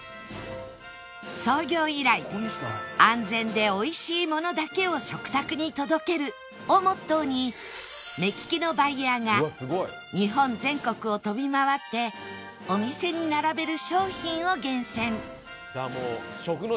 創業以来「安全で美味しいものだけを食卓に届ける」をモットーに目利きのバイヤーが日本全国を飛び回ってお店に並べる商品を厳選